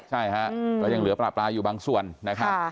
ใช่ค่ะก็ยังเหลือปลาอยู่บางส่วนนะคะ